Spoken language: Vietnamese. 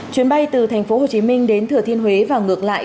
chuyến bay từ tp hcm đến thừa thiên huế và ngược lại